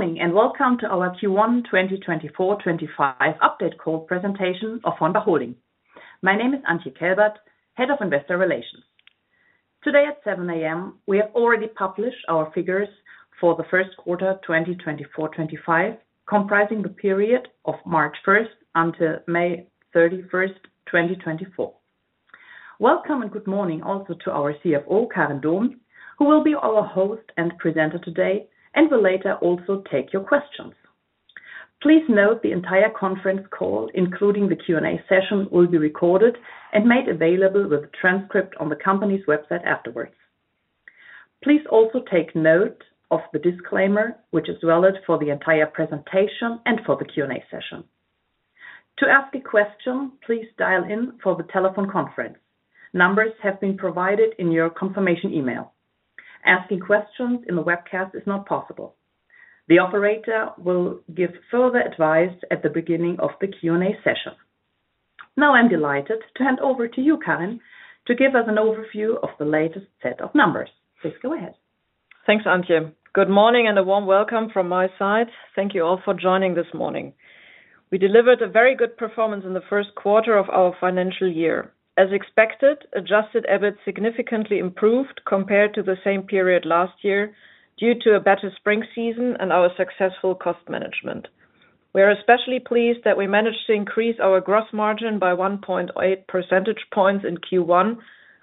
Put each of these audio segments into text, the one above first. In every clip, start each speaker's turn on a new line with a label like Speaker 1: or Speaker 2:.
Speaker 1: Good morning, and welcome to our Q1 2024/2025 update call presentation of HORNBACH Holding. My name is Antje Kelbert, Head of Investor Relations. Today at 7 A.M., we have already published our figures for the first quarter 2024/2025, comprising the period of March 1st until May 31st, 2024. Welcome and good morning also to our CFO, Karin Dohm, who will be our host and presenter today and will later also take your questions. Please note the entire conference call, including the Q&A session, will be recorded and made available with a transcript on the company's website afterwards. Please also take note of the disclaimer, which is valid for the entire presentation and for the Q&A session. To ask a question, please dial in for the telephone conference. Numbers have been provided in your confirmation email. Asking questions in the webcast is not possible. The operator will give further advice at the beginning of the Q&A session. Now, I'm delighted to hand over to you, Karin, to give us an overview of the latest set of numbers. Please go ahead.
Speaker 2: Thanks, Antje. Good morning, and a warm welcome from my side. Thank you all for joining this morning. We delivered a very good performance in the first quarter of our financial year. As expected, adjusted EBIT significantly improved compared to the same period last year, due to a better spring season and our successful cost management. We are especially pleased that we managed to increase our gross margin by 1.8 percentage points in Q1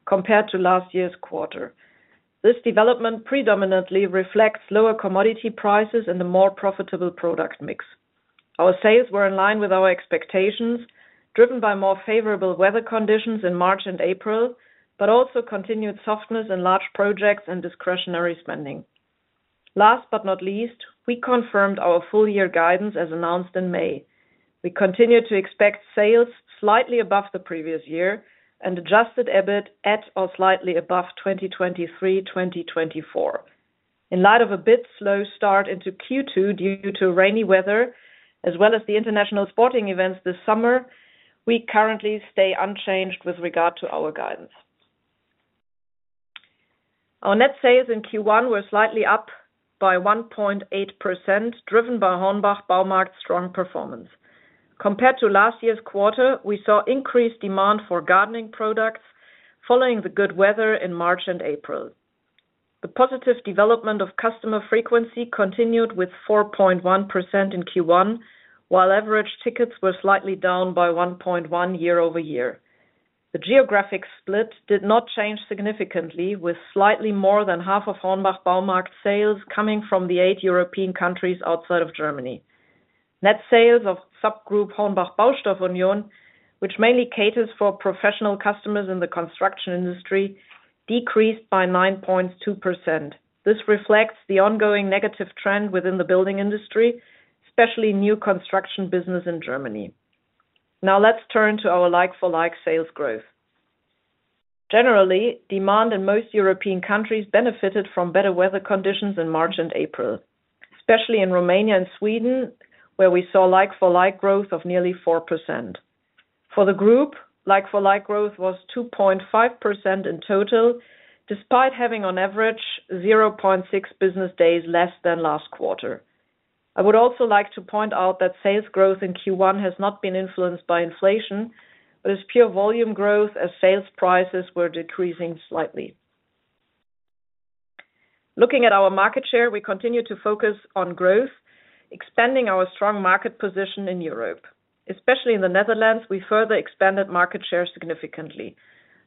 Speaker 2: compared to last year's quarter. This development predominantly reflects lower commodity prices and a more profitable product mix. Our sales were in line with our expectations, driven by more favorable weather conditions in March and April, but also continued softness in large projects and discretionary spending. Last but not least, we confirmed our full year guidance as announced in May. We continue to expect sales slightly above the previous year and adjusted EBIT at or slightly above 2023, 2024. In light of a bit slow start into Q2, due to rainy weather, as well as the international sporting events this summer, we currently stay unchanged with regard to our guidance. Our net sales in Q1 were slightly up by 1.8%, driven by HORNBACH Baumarkt's strong performance. Compared to last year's quarter, we saw increased demand for gardening products following the good weather in March and April. The positive development of customer frequency continued with 4.1% in Q1, while average tickets were slightly down by 1.1% year-over-year. The geographic split did not change significantly, with slightly more than half of HORNBACH Baumarkt sales coming from the eight European countries outside of Germany. Net sales of subgroup HORNBACH Baustoff Union, which mainly caters for professional customers in the construction industry, decreased by 9.2%. This reflects the ongoing negative trend within the building industry, especially new construction business in Germany. Now, let's turn to our like-for-like sales growth. Generally, demand in most European countries benefited from better weather conditions in March and April, especially in Romania and Sweden, where we saw like-for-like growth of nearly 4%. For the group, like-for-like growth was 2.5% in total, despite having on average 0.6 business days less than last quarter. I would also like to point out that sales growth in Q1 has not been influenced by inflation, but is pure volume growth as sales prices were decreasing slightly. Looking at our market share, we continue to focus on growth, expanding our strong market position in Europe. Especially in the Netherlands, we further expanded market share significantly.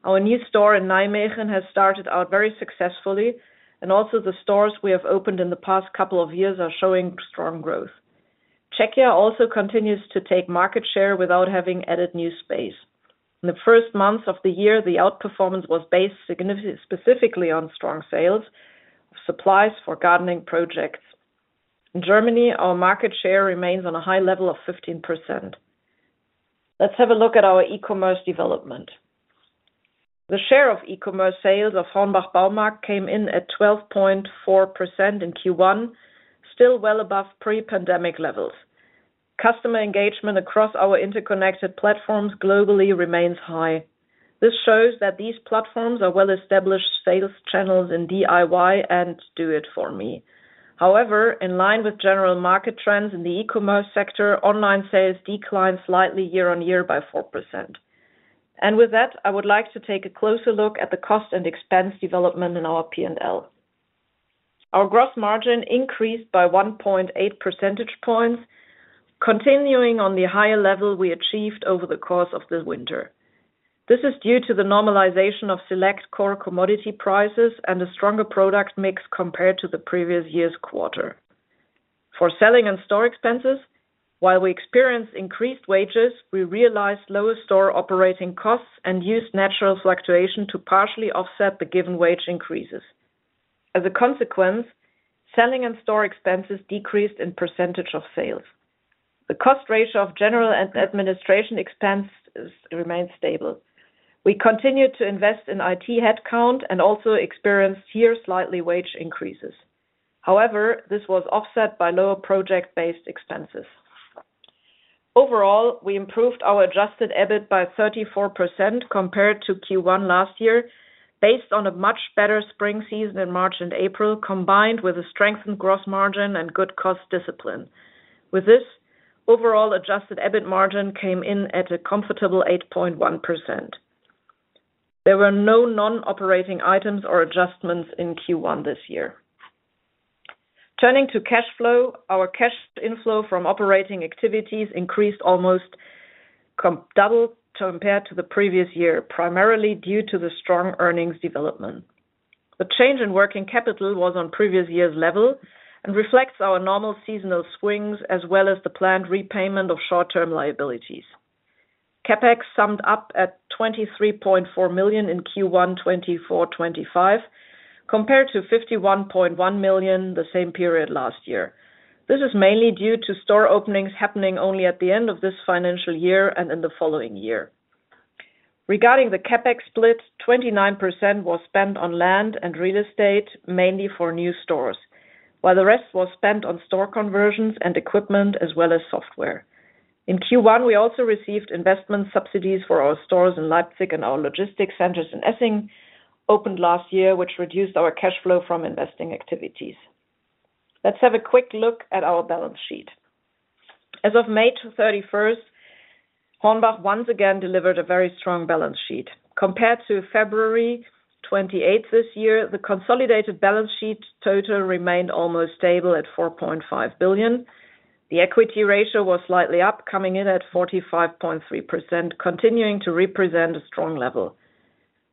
Speaker 2: Our new store in Nijmegen has started out very successfully, and also the stores we have opened in the past couple of years are showing strong growth. Czechia also continues to take market share without having added new space. In the first months of the year, the outperformance was based specifically on strong sales, supplies for gardening projects. In Germany, our market share remains on a high level of 15%. Let's have a look at our e-commerce development. The share of e-commerce sales of HORNBACH Baumarkt came in at 12.4% in Q1, still well above pre-pandemic levels. Customer engagement across our interconnected platforms globally remains high. This shows that these platforms are well-established sales channels in DIY and Do-it-for-me. However, in line with general market trends in the e-commerce sector, online sales declined slightly year-on-year by 4%. And with that, I would like to take a closer look at the cost and expense development in our P&L. Our gross margin increased by 1.8 percentage points, continuing on the higher level we achieved over the course of the winter. This is due to the normalization of select core commodity prices and a stronger product mix compared to the previous year's quarter. For selling and store expenses, while we experienced increased wages, we realized lower store operating costs and used natural fluctuation to partially offset the given wage increases. As a consequence, selling and store expenses decreased in percentage of sales. The cost ratio of general and administrative expenses remains stable. We continued to invest in IT headcount and also experienced here slightly wage increases. However, this was offset by lower project-based expenses. Overall, we improved our adjusted EBIT by 34% compared to Q1 last year, based on a much better spring season in March and April, combined with a strengthened gross margin and good cost discipline. With this, overall adjusted EBIT margin came in at a comfortable 8.1%. There were no non-operating items or adjustments in Q1 this year. Turning to cash flow, our cash inflow from operating activities increased almost double compared to the previous year, primarily due to the strong earnings development. The change in working capital was on previous year's level, and reflects our normal seasonal swings, as well as the planned repayment of short-term liabilities. CapEx summed up at 23.4 million in Q1 2024/2025, compared to 51.1 million the same period last year. This is mainly due to store openings happening only at the end of this financial year and in the following year. Regarding the CapEx split, 29% was spent on land and real estate, mainly for new stores, while the rest was spent on store conversions and equipment, as well as software. In Q1, we also received investment subsidies for our stores in Leipzig and our logistics centers in Essingen, opened last year, which reduced our cash flow from investing activities. Let's have a quick look at our balance sheet. As of May 31st, HORNBACH once again delivered a very strong balance sheet. Compared to February 28th this year, the consolidated balance sheet total remained almost stable at 4.5 billion. The equity ratio was slightly up, coming in at 45.3%, continuing to represent a strong level.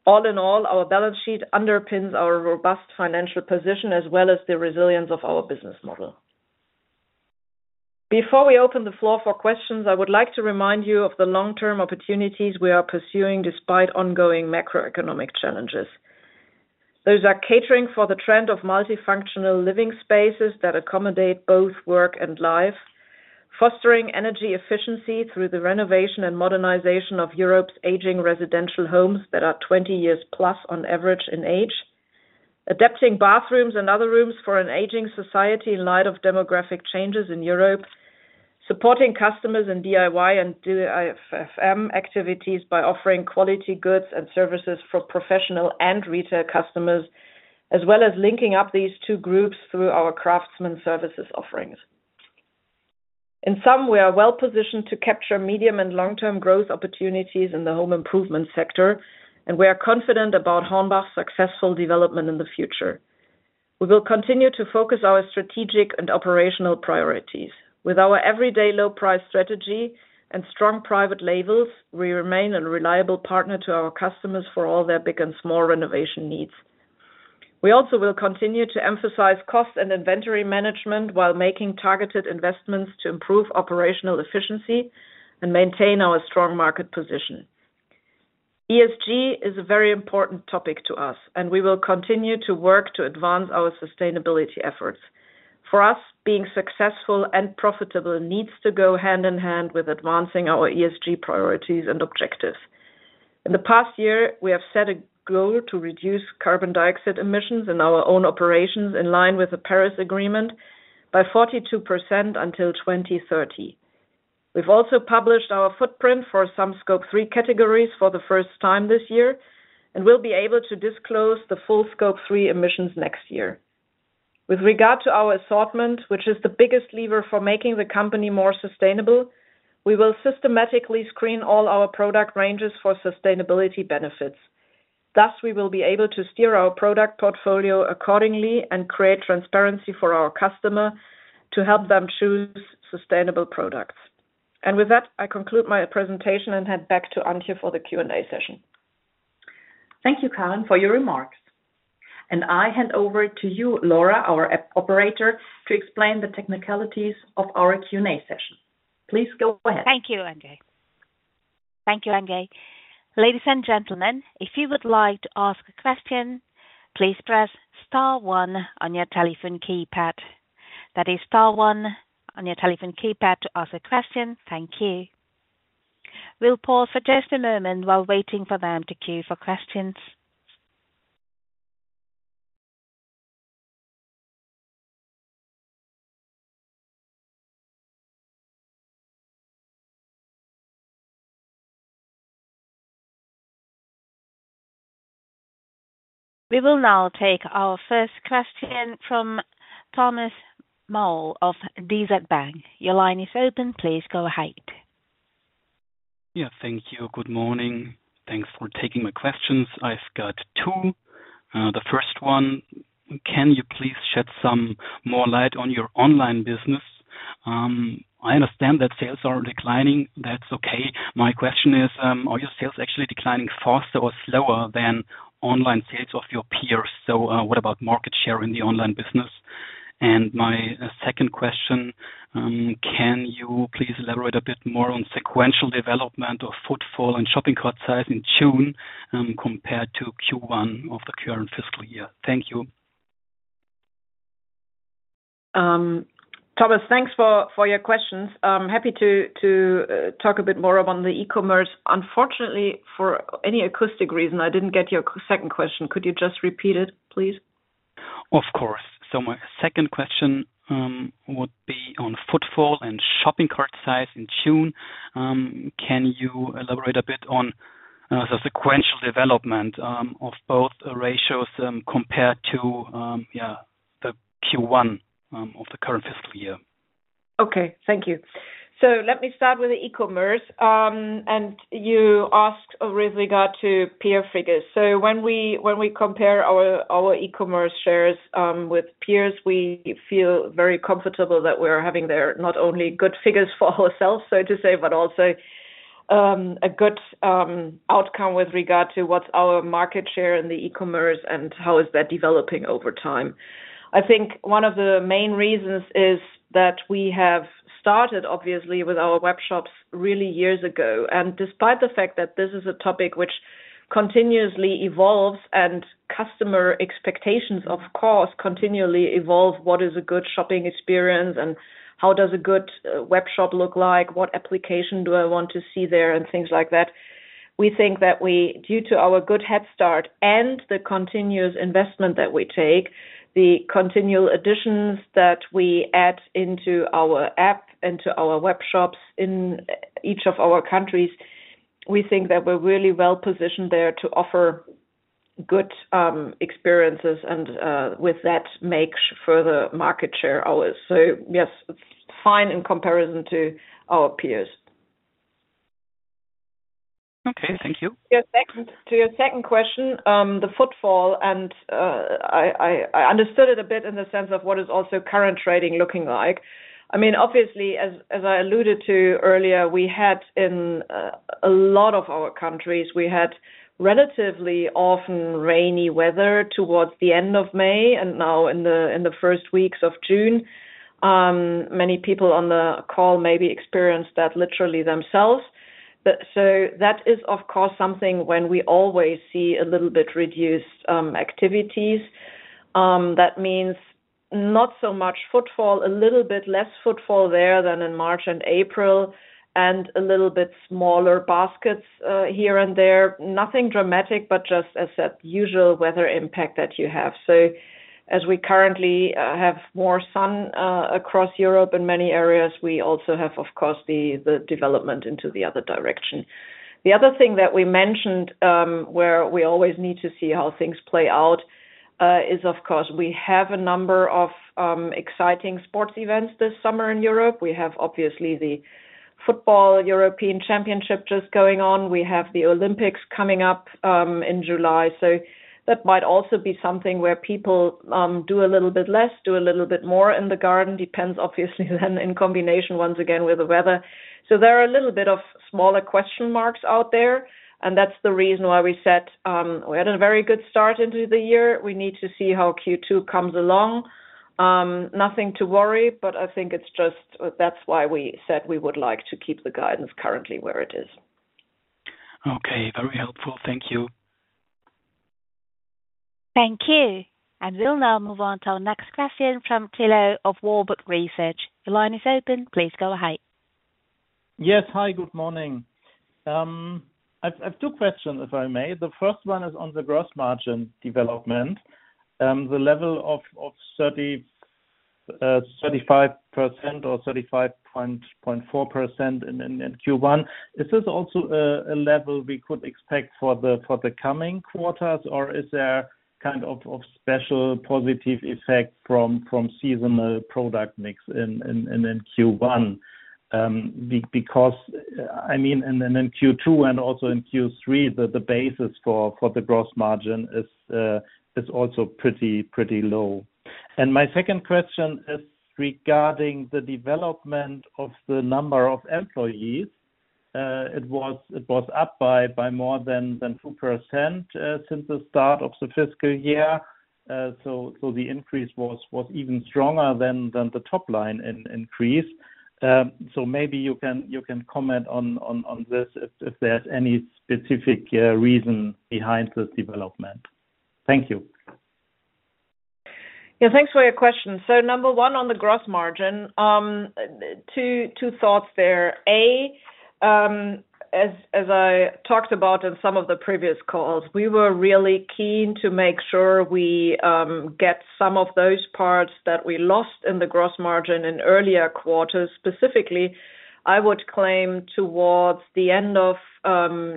Speaker 2: All in all, our balance sheet underpins our robust financial position, as well as the resilience of our business model. Before we open the floor for questions, I would like to remind you of the long-term opportunities we are pursuing despite ongoing macroeconomic challenges. Those are catering for the trend of multifunctional living spaces that accommodate both work and life, fostering energy efficiency through the renovation and modernization of Europe's aging residential homes that are +20 years on average in age, adapting bathrooms and other rooms for an aging society in light of demographic changes in Europe, supporting customers in DIY and DIYFM activities by offering quality goods and services for professional and retail customers, as well as linking up these two groups through our craftsman services offerings. In sum, we are well positioned to capture medium and long-term growth opportunities in the home improvement sector, and we are confident about HORNBACH's successful development in the future. We will continue to focus our strategic and operational priorities. With our everyday low price strategy and strong private labels, we remain a reliable partner to our customers for all their big and small renovation needs. We also will continue to emphasize cost and inventory management while making targeted investments to improve operational efficiency and maintain our strong market position. ESG is a very important topic to us, and we will continue to work to advance our sustainability efforts. For us, being successful and profitable needs to go hand in hand with advancing our ESG priorities and objectives. In the past year, we have set a goal to reduce carbon dioxide emissions in our own operations, in line with the Paris Agreement, by 42% until 2030. We've also published our footprint for some Scope 3 categories for the first time this year, and we'll be able to disclose the full Scope 3 emissions next year. With regard to our assortment, which is the biggest lever for making the company more sustainable, we will systematically screen all our product ranges for sustainability benefits. Thus, we will be able to steer our product portfolio accordingly and create transparency for our customer to help them choose sustainable products. With that, I conclude my presentation and hand back to Antje for the Q&A session.
Speaker 1: Thank you, Karin, for your remarks. I hand over to you, Laura, our app operator, to explain the technicalities of our Q&A session. Please go ahead.
Speaker 3: Thank you, Antje. Thank you, Antje. Ladies and gentlemen, if you would like to ask a question, please press star one on your telephone keypad. That is star one on your telephone keypad to ask a question. Thank you. We'll pause for just a moment while waiting for them to queue for questions. We will now take our first question from Thomas Maul of DZ BANK. Your line is open. Please go ahead.
Speaker 4: Yeah, thank you. Good morning. Thanks for taking my questions. I've got two. The first one, can you please shed some more light on your online business? I understand that sales are declining. That's okay. My question is, are your sales actually declining faster or slower than online sales of your peers? So, what about market share in the online business? And my second question, can you please elaborate a bit more on sequential development of footfall and shopping cart size in June, compared to Q1 of the current fiscal year? Thank you.
Speaker 2: Thomas, thanks for your questions. I'm happy to talk a bit more about the e-commerce. Unfortunately, for any acoustic reason, I didn't get your second question. Could you just repeat it, please?
Speaker 4: Of course. So my second question would be on footfall and shopping cart size in June. Can you elaborate a bit on the sequential development of both ratios compared to yeah, the Q1 of the current fiscal year?
Speaker 2: Okay, thank you. So let me start with the e-commerce, and you asked with regard to peer figures. So when we, when we compare our, our e-commerce shares, with peers, we feel very comfortable that we're having there, not only good figures for ourselves, so to say, but also, a good, outcome with regard to what's our market share in the e-commerce and how is that developing over time. I think one of the main reasons is that we have started, obviously, with our webshops really years ago. And despite the fact that this is a topic which continuously evolves and customer expectations, of course, continually evolve, what is a good shopping experience? And how does a good webshop look like? What application do I want to see there, and things like that. We think due to our good head start and the continuous investment that we take, the continual additions that we add into our app, into our webshops in each of our countries, we think that we're really well positioned there to offer good experiences and, with that, make further market share ours. So yes, it's fine in comparison to our peers.
Speaker 4: Okay, thank you.
Speaker 2: Your second—to your second question, the footfall, and I understood it a bit in the sense of what is also current trading looking like. I mean, obviously, as I alluded to earlier, we had in a lot of our countries, we had relatively often rainy weather towards the end of May, and now in the first weeks of June. Many people on the call maybe experienced that literally themselves. But so that is, of course, something when we always see a little bit reduced activities. That means not so much footfall, a little bit less footfall there than in March and April, and a little bit smaller baskets here and there. Nothing dramatic, but just as that usual weather impact that you have. So as we currently have more sun across Europe in many areas, we also have, of course, the development into the other direction. The other thing that we mentioned, where we always need to see how things play out, is, of course, we have a number of exciting sports events this summer in Europe. We have, obviously, the football European Championship just going on. We have the Olympics coming up in July. So that might also be something where people do a little bit less, do a little bit more in the garden. Depends, obviously, then in combination, once again, with the weather. So there are a little bit of smaller question marks out there, and that's the reason why we said we had a very good start into the year. We need to see how Q2 comes along. Nothing to worry, but I think it's just that's why we said we would like to keep the guidance currently where it is.
Speaker 4: Okay, very helpful. Thank you.
Speaker 3: Thank you, and we'll now move on to our next question from Thilo of Warburg Research. The line is open, please go ahead.
Speaker 5: Yes, hi, good morning. I've two questions, if I may. The first one is on the gross margin development. The level of 35% or 35.4% in Q1, is this also a level we could expect for the coming quarters, or is there kind of a special positive effect from seasonal product mix in Q1? Because, I mean, then in Q2 and also in Q3, the basis for the gross margin is also pretty low. And my second question is regarding the development of the number of employees. It was up by more than 2%, since the start of the fiscal year. So the increase was even stronger than the top line increase. So maybe you can comment on this, if there's any specific reason behind this development. Thank you.
Speaker 2: Yeah, thanks for your question. So number one, on the gross margin, two thoughts there. A, as I talked about in some of the previous calls, we were really keen to make sure we get some of those parts that we lost in the gross margin in earlier quarters. Specifically, I would claim towards the end of 2022-2023,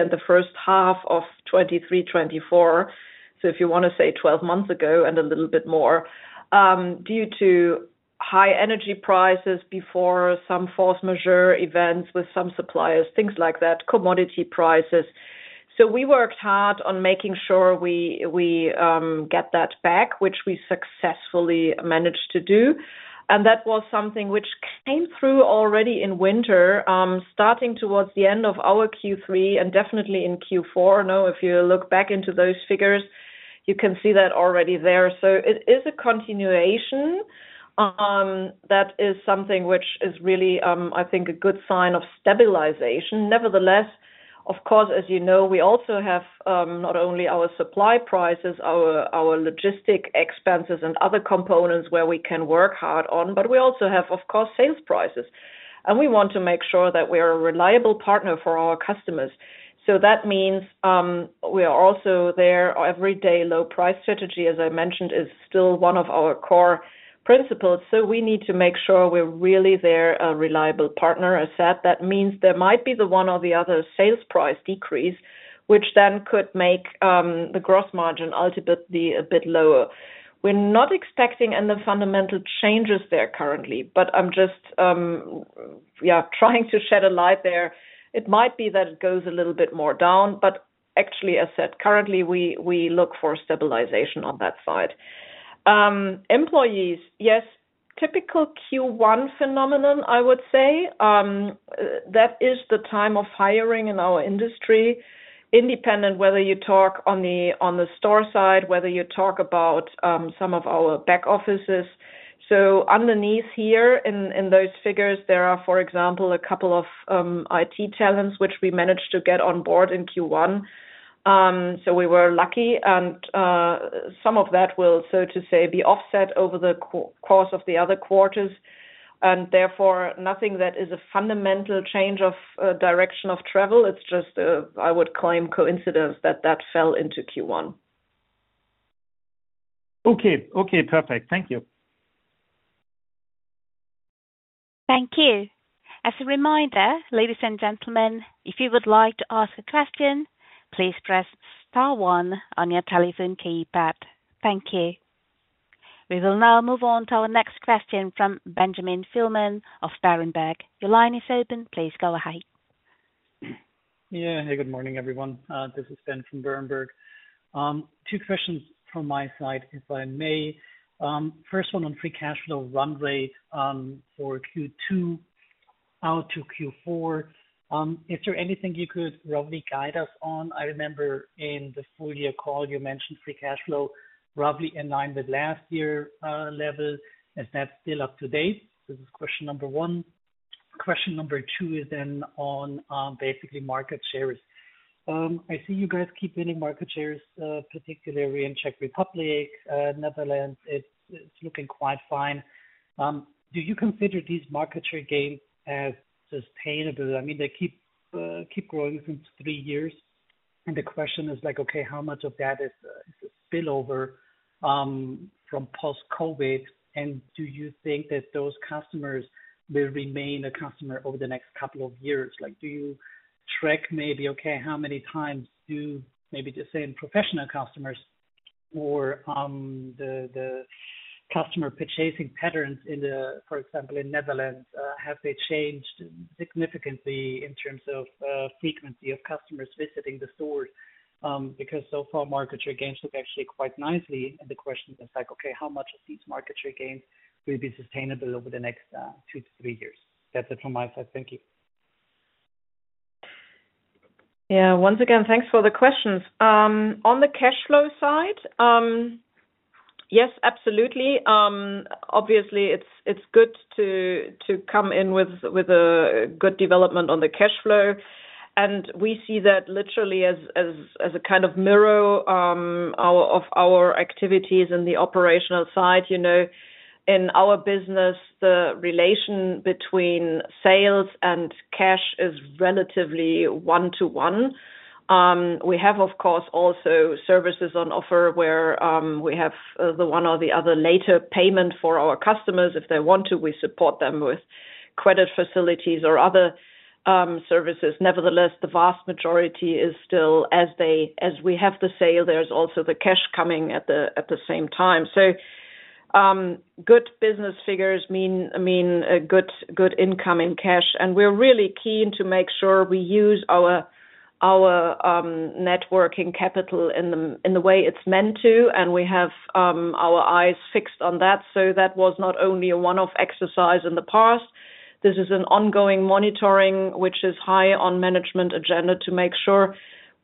Speaker 2: and the first half of 2023-2024. So if you want to say 12 months ago and a little bit more, due to high energy prices before some force majeure events with some suppliers, things like that, commodity prices. So we worked hard on making sure we get that back, which we successfully managed to do. And that was something which came through already in winter, starting towards the end of our Q3 and definitely in Q4. Now, if you look back into those figures, you can see that already there. So it is a continuation. That is something which is really, I think, a good sign of stabilization. Nevertheless, of course, as you know, we also have not only our supply prices, our logistic expenses and other components where we can work hard on, but we also have, of course, sales prices. And we want to make sure that we are a reliable partner for our customers. So that means, we are also there. Our everyday low price strategy, as I mentioned, is still one of our core principles, so we need to make sure we're really their reliable partner. I said that means there might be the one or the other sales price decrease, which then could make the gross margin ultimately a bit lower. We're not expecting any fundamental changes there currently, but I'm just trying to shed a light there. It might be that it goes a little bit more down, but actually, as said, currently we look for stabilization on that side. Employees, yes, typical Q1 phenomenon, I would say. That is the time of hiring in our industry, independent whether you talk on the store side, whether you talk about some of our back offices. So underneath here in those figures, there are, for example, a couple of IT talents, which we managed to get on board in Q1. So we were lucky, and some of that will, so to say, be offset over the course of the other quarters, and therefore, nothing that is a fundamental change of direction of travel. It's just, I would claim, coincidence that that fell into Q1.
Speaker 5: Okay. Okay, perfect. Thank you.
Speaker 3: Thank you. As a reminder, ladies and gentlemen, if you would like to ask a question, please press star one on your telephone keypad. Thank you. We will now move on to our next question from Benjamin Feldman of Berenberg. Your line is open. Please go ahead.
Speaker 6: Yeah. Hey, good morning, everyone. This is Ben from Berenberg. Two questions from my side, if I may. First one on free cash flow runway, for Q2 out to Q4. Is there anything you could roughly guide us on? I remember in the full year call, you mentioned free cash flow, roughly in line with last year level. Is that still up to date? This is question number one. Question number two is then on, basically market shares. I see you guys keeping market shares, particularly in Czech Republic, Netherlands, it's looking quite fine. Do you consider these market share gains as sustainable? I mean, they keep growing from three years. And the question is like, okay, how much of that is a spillover from post-COVID, and do you think that those customers will remain a customer over the next couple of years? Like, do you track maybe, okay, how many times do maybe the same professional customers or the customer purchasing patterns in the, for example, in Netherlands, have they changed significantly in terms of frequency of customers visiting the stores? Because so far, market share gains look actually quite nicely, and the question is like, okay, how much of these market share gains will be sustainable over the next two to three years? That's it from my side. Thank you.
Speaker 2: Yeah. Once again, thanks for the questions. On the cash flow side, yes, absolutely. Obviously, it's good to come in with a good development on the cash flow, and we see that literally as a kind of mirror of our activities in the operational side. You know, in our business, the relation between sales and cash is relatively one to one. We have, of course, also services on offer where we have the one or the other later payment for our customers. If they want to, we support them with credit facilities or other services. Nevertheless, the vast majority is still as we have the sale, there's also the cash coming at the same time. So, good business figures mean a good income in cash, and we're really keen to make sure we use our working capital in the way it's meant to, and we have our eyes fixed on that. So that was not only a one-off exercise in the past. This is an ongoing monitoring, which is high on management agenda to make sure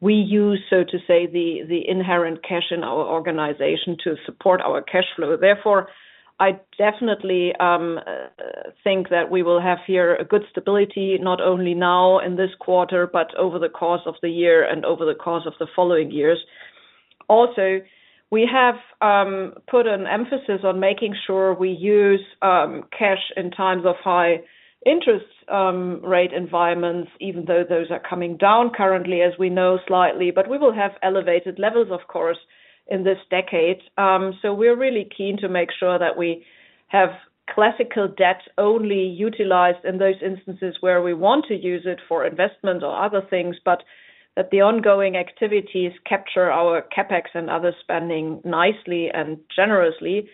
Speaker 2: we use, so to say, the inherent cash in our organization to support our cash flow. Therefore, I definitely think that we will have here a good stability, not only now in this quarter, but over the course of the year and over the course of the following years. Also, we have put an emphasis on making sure we use cash in times of high interest rate environments, even though those are coming down currently, as we know, slightly. But we will have elevated levels, of course, in this decade. So, we're really keen to make sure that we have classical debt only utilized in those instances where we want to use it for investment or other things, but that the ongoing activities capture our CapEx and other spending nicely and generously,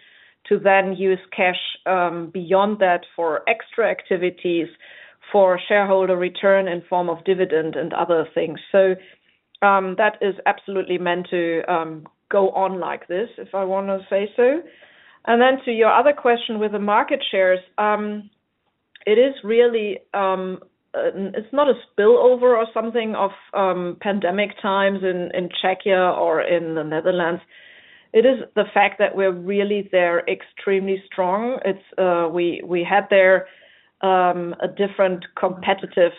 Speaker 2: to then use cash beyond that for extra activities, for shareholder return in form of dividend and other things. So, that is absolutely meant to go on like this, if I wanna say so. And then to your other question, with the market shares, it is really, it's not a spillover or something of pandemic times in Czechia or in the Netherlands. It is the fact that we're really there extremely strong. It's, we had there a different competitive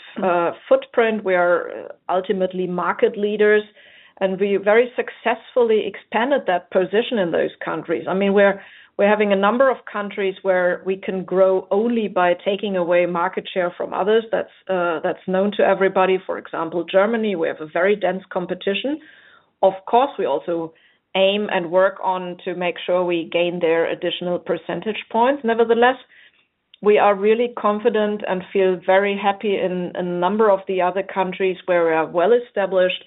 Speaker 2: footprint. We are ultimately market leaders, and we very successfully expanded that position in those countries. I mean, we're having a number of countries where we can grow only by taking away market share from others. That's known to everybody. For example, Germany, we have a very dense competition. Of course, we also aim and work on to make sure we gain their additional percentage points. Nevertheless, we are really confident and feel very happy in a number of the other countries where we are well established.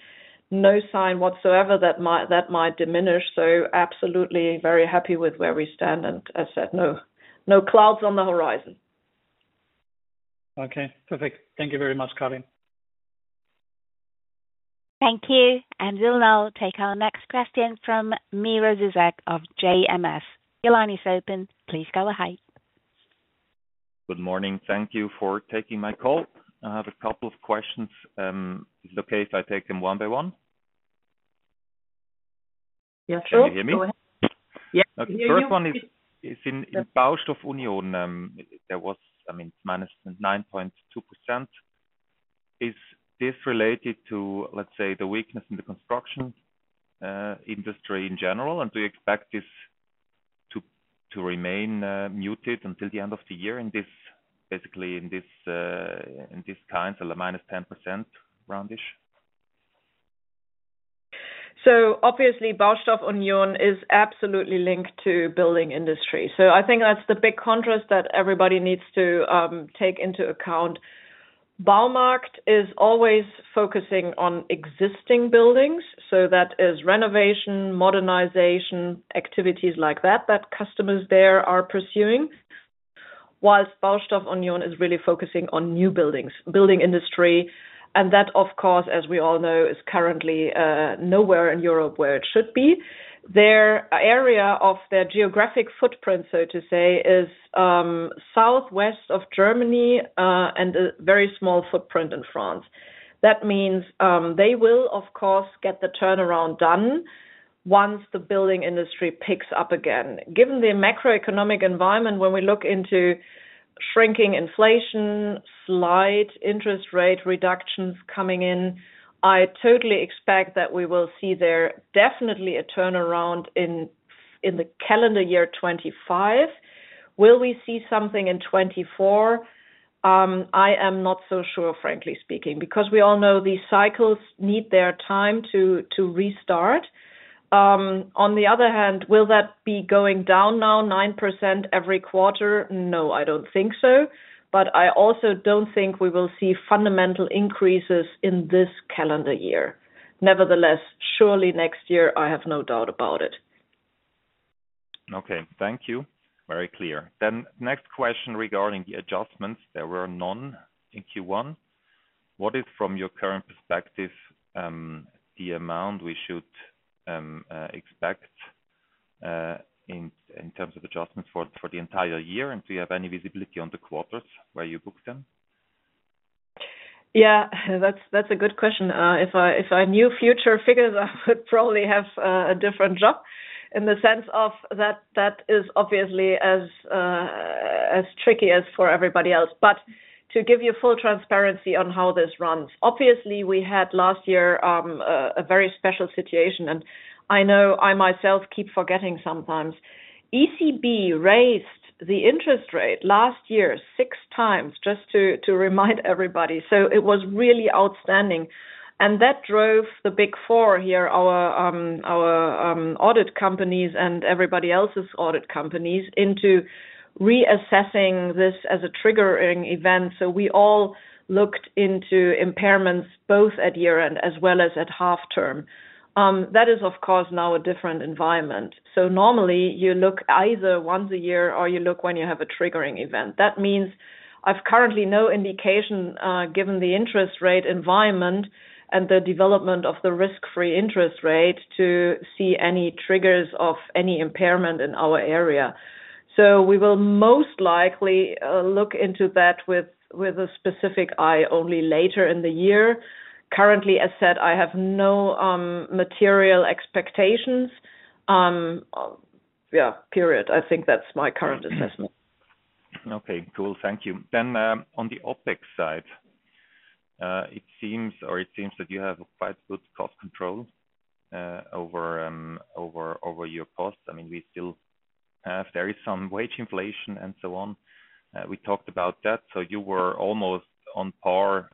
Speaker 2: No sign whatsoever that might diminish. So absolutely very happy with where we stand, and as said, no, no clouds on the horizon.
Speaker 6: Okay, perfect. Thank you very much, Karin.
Speaker 3: Thank you. And we'll now take our next question from Miro Zuzak of JMS. Your line is open. Please go ahead.
Speaker 7: Good morning. Thank you for taking my call. I have a couple of questions. Is it okay if I take them one by one?
Speaker 2: Yes, sure.
Speaker 7: Can you hear me?
Speaker 2: Yes, we hear you.
Speaker 7: The first one is in Baustoff Union, there was, I mean, -9.2%. Is this related to, let's say, the weakness in the construction industry in general? And do you expect this to remain muted until the end of the year in this, basically in this kind, so the -10%, roundish?
Speaker 2: So obviously, Baustoff Union is absolutely linked to building industry. So I think that's the big contrast that everybody needs to take into account. Baumarkt is always focusing on existing buildings, so that is renovation, modernization, activities like that, that customers there are pursuing. Whilst Baustoff Union is really focusing on new buildings, building industry, and that, of course, as we all know, is currently nowhere in Europe where it should be. Their area of their geographic footprint, so to say, is southwest of Germany and a very small footprint in France. That means they will of course get the turnaround done once the building industry picks up again. Given the macroeconomic environment, when we look into shrinking inflation, slight interest rate reductions coming in, I totally expect that we will see there definitely a turnaround in the calendar year 2025. Will we see something in 2024? I am not so sure, frankly speaking, because we all know these cycles need their time to restart. On the other hand, will that be going down now, 9% every quarter? No, I don't think so, but I also don't think we will see fundamental increases in this calendar year. Nevertheless, surely next year, I have no doubt about it.
Speaker 7: Okay. Thank you. Very clear. Then next question regarding the adjustments. There were none in Q1. What is, from your current perspective, the amount we should expect in terms of adjustments for the entire year? And do you have any visibility on the quarters where you book them?
Speaker 2: Yeah, that's, that's a good question. If I, if I knew future figures, I would probably have a different job in the sense of that, that is obviously as tricky as for everybody else. But to give you full transparency on how this runs, obviously we had last year a very special situation, and I know I myself keep forgetting sometimes. ECB raised the interest rate last year, 6x, just to, to remind everybody. So it was really outstanding. And that drove the Big Four here, our, our, audit companies and everybody else's audit companies, into reassessing this as a triggering event. So we all looked into impairments, both at year-end as well as at half-term. That is, of course, now a different environment. So normally you look either once a year or you look when you have a triggering event. That means I've currently no indication, given the interest rate environment and the development of the risk-free interest rate, to see any triggers of any impairment in our area. So we will most likely look into that with a specific eye only later in the year. Currently, as said, I have no material expectations, period. I think that's my current assessment.
Speaker 7: Okay, cool. Thank you. Then, on the OpEx side, it seems that you have a quite good cost control over your costs. I mean, we still, there is some wage inflation and so on. We talked about that. So you were almost on par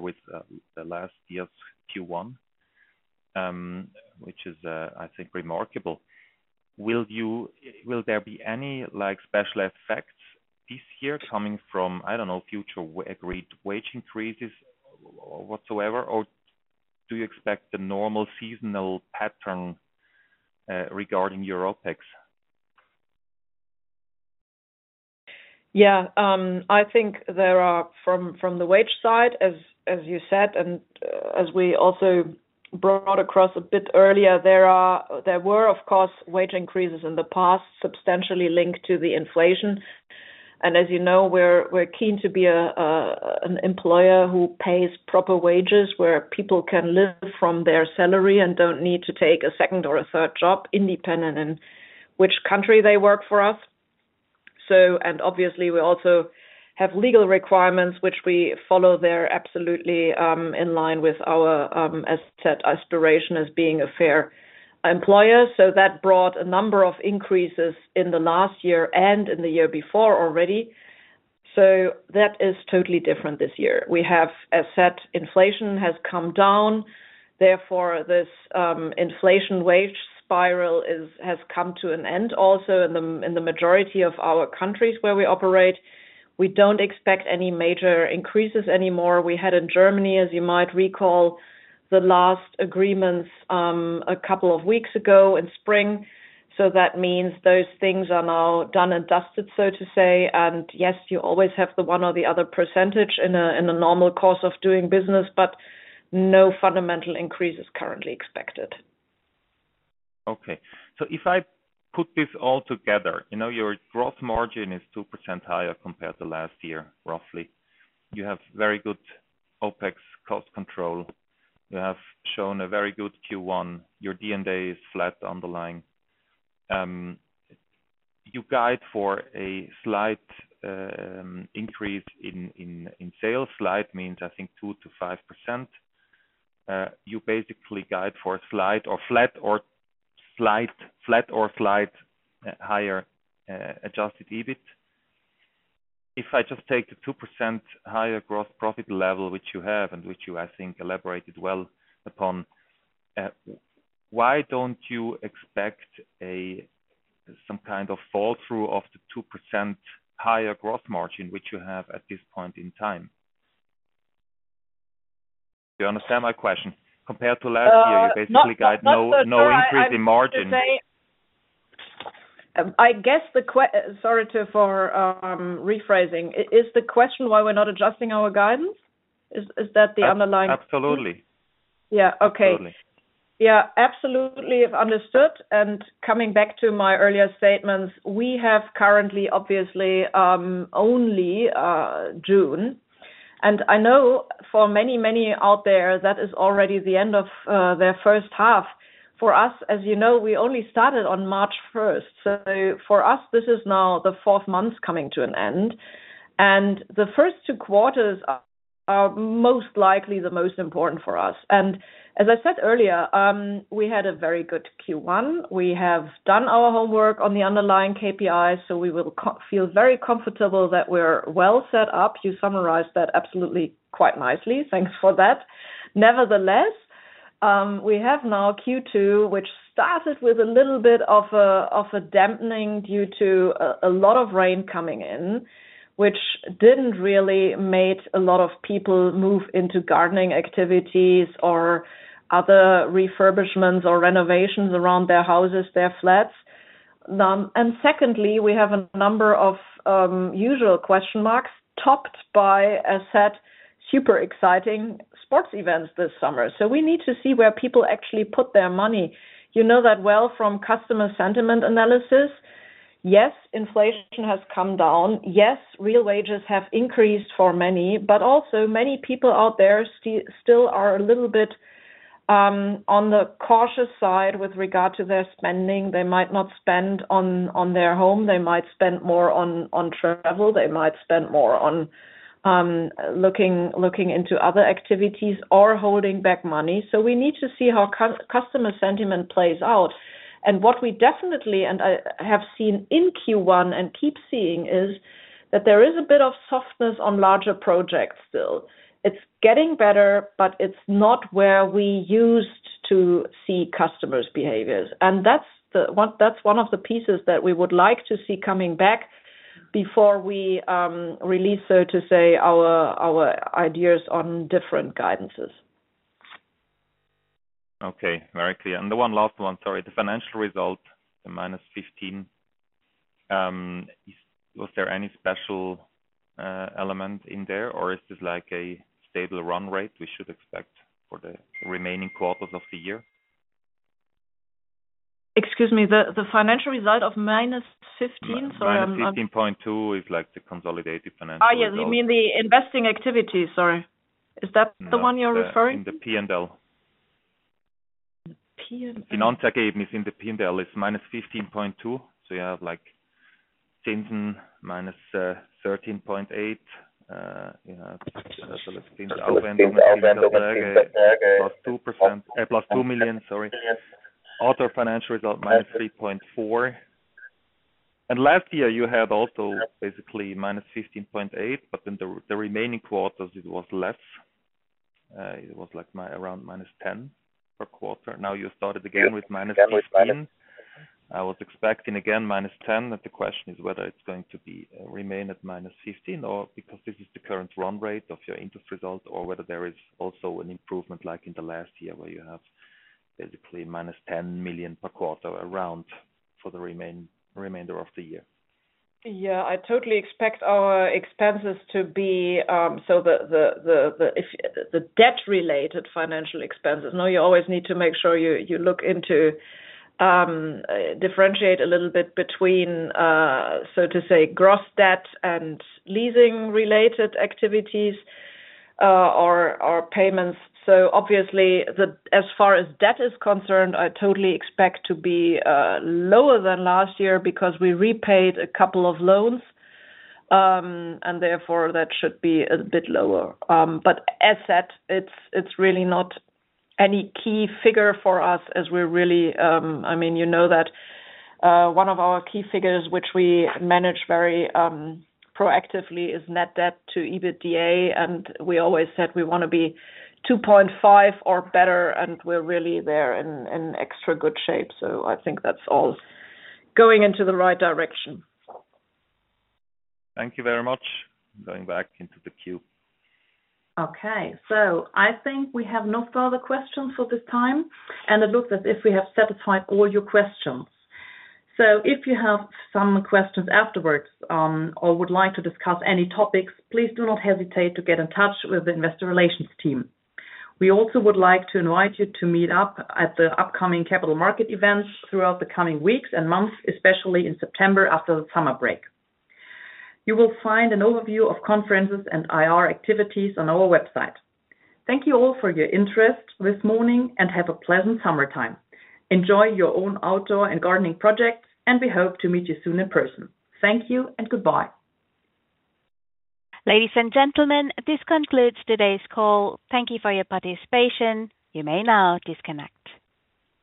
Speaker 7: with the last year's Q1, which is, I think remarkable. Will there be any, like, special effects this year coming from, I don't know, future agreed wage increases whatsoever? Or do you expect the normal seasonal pattern regarding your OpEx?
Speaker 2: Yeah. I think there are from the wage side, as you said, and as we also brought across a bit earlier, there were, of course, wage increases in the past, substantially linked to the inflation. And as you know, we're keen to be an employer who pays proper wages, where people can live from their salary and don't need to take a second or a third job, independent in which country they work for us. So, and obviously, we also have legal requirements, which we follow there absolutely, in line with our as set aspiration, as being a fair employer. So that brought a number of increases in the last year and in the year before already. So that is totally different this year. We have, as said, inflation has come down, therefore, this inflation wage spiral is, has come to an end also in the, in the majority of our countries where we operate. We don't expect any major increases anymore. We had in Germany, as you might recall, the last agreements, a couple of weeks ago in spring. So that means those things are now done and dusted, so to say. And yes, you always have the one or the other percentage in a, in a normal course of doing business, but no fundamental increase is currently expected.
Speaker 7: Okay. So if I put this all together, you know, your gross margin is 2% higher compared to last year, roughly. You have very good OpEx cost control. You have shown a very good Q1. Your D&A is flat on the line. You guide for a slight increase in sales. Slight means, I think 2%-5%. You basically guide for a slight or flat, or slight, flat or slight higher adjusted EBIT. If I just take the 2% higher gross profit level, which you have, and which you, I think, elaborated well upon, why don't you expect some kind of flow-through of the 2% higher gross margin, which you have at this point in time? Do you understand my question? Compared to last year, you basically guide no increase in margin.
Speaker 2: I guess the question—sorry for rephrasing. Is the question why we're not adjusting our guidance? Is, is that the underlying?
Speaker 7: Absolutely.
Speaker 2: Yeah. Okay.
Speaker 7: Absolutely.
Speaker 2: Yeah, absolutely understood. Coming back to my earlier statements, we have currently, obviously, only June. I know for many, many out there, that is already the end of their first half. For us, as you know, we only started on March first. So for us, this is now the fourth month coming to an end, and the first two quarters are most likely the most important for us. As I said earlier, we had a very good Q1. We have done our homework on the underlying KPIs, so we feel very comfortable that we're well set up. You summarized that absolutely quite nicely. Thanks for that. Nevertheless, we have now Q2, which started with a little bit of a dampening due to a lot of rain coming in, which didn't really made a lot of people move into gardening activities or other refurbishments or renovations around their houses, their flats. And secondly, we have a number of usual question marks, topped by a set super exciting sports events this summer. So we need to see where people actually put their money. You know that well from customer sentiment analysis. Yes, inflation has come down. Yes, real wages have increased for many, but also many people out there still are a little bit on the cautious side with regard to their spending. They might not spend on their home. They might spend more on travel. They might spend more on looking into other activities or holding back money. So we need to see how customer sentiment plays out. And what we definitely, and I, have seen in Q1 and keep seeing, is that there is a bit of softness on larger projects still. It's getting better, but it's not where we used to see customers' behaviors. And that's one of the pieces that we would like to see coming back before we release, so to say, our ideas on different guidances.
Speaker 7: Okay, very clear. And the one last one, sorry, the financial result, the -15, is, was there any special element in there, or is this like a stable run rate we should expect for the remaining quarters of the year?
Speaker 2: Excuse me, the financial result of -15? Sorry, I'm-
Speaker 7: 16.2 is like the consolidated financial result.
Speaker 2: Ah, yes, you mean the investing activity. Sorry. Is that the one you're referring to?
Speaker 7: In the P&L.
Speaker 2: P&L?
Speaker 7: In answer, gave me in the P&L is -15.2. So you have, like, 15 - 13.8. You have +2%, EUR +2 million, sorry. Other financial result, -3.4. And last year, you had also basically -15.8, but in the remaining quarters, it was less. It was like around -10 per quarter. Now, you started again with -15. I was expecting, again, -10, but the question is whether it's going to be remain at -15 or because this is the current run rate of your interest result, or whether there is also an improvement, like in the last year, where you have basically -10 million per quarter around for the remainder of the year.
Speaker 2: Yeah, I totally expect our expenses to be... so, if the debt-related financial expenses, now, you always need to make sure you look into, differentiate a little bit between, so to say, gross debt and leasing-related activities, or payments. So obviously, as far as debt is concerned, I totally expect to be lower than last year because we repaid a couple of loans, and therefore, that should be a bit lower. But as said, it's really not any key figure for us as we're really, I mean, you know that, one of our key figures which we manage very proactively, is net debt to EBITDA, and we always said we wanna be 2.5 or better, and we're really there in extra good shape. I think that's all going into the right direction.
Speaker 7: Thank you very much. Going back into the queue.
Speaker 1: Okay. So I think we have no further questions for this time, and it looks as if we have satisfied all your questions. So if you have some questions afterwards, or would like to discuss any topics, please do not hesitate to get in touch with the investor relations team. We also would like to invite you to meet up at the upcoming capital market events throughout the coming weeks and months, especially in September, after the summer break. You will find an overview of conferences and IR activities on our website. Thank you all for your interest this morning, and have a pleasant summertime. Enjoy your own outdoor and gardening projects, and we hope to meet you soon in person. Thank you and goodbye.
Speaker 3: Ladies and gentlemen, this concludes today's call. Thank you for your participation. You may now disconnect.